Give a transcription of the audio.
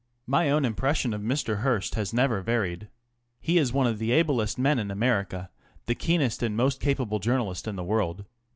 My own impression of Mr. Hearst has never varied. He is one of the ablest men in America, the keenest and most capable journalist in the world.